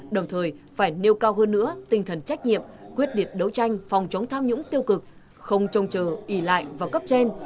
đồng thời phải nêu cao hơn nữa tinh thần trách nhiệm quyết liệt đấu tranh phòng chống tham nhũng tiêu cực không trông chờ ý lại vào cấp trên